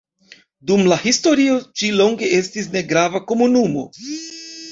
Dum la historio ĝi longe estis negrava komunumo.